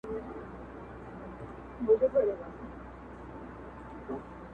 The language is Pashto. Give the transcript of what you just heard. د لمر په وړانګو کي به نه وي د وګړو نصیب!